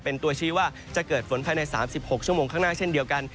เป็นตัวชี้ว่าจะเกิดฝนภายใน๓๖ชั่วโมงข้างหน้าเช่นเดียวกัน